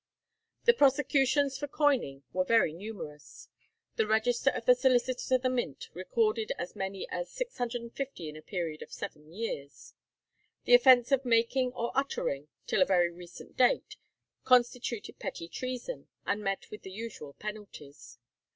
The prosecutions for coining were very numerous. The register of the solicitor to the Mint recorded as many as 650 in a period of seven years. The offence of making or uttering, till a very recent date, constituted petty treason, and met with the usual penalties.